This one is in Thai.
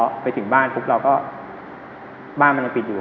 พอไปถึงบ้านบ้านมันยังปิดอยู่